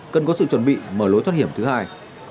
cần có sự chuẩn bị mở lối thoát hiểm thứ hai